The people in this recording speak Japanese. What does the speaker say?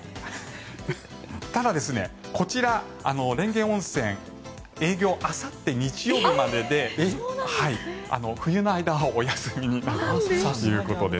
ただこちら蓮華温泉営業、あさって日曜日までで冬の間はお休みになるということです。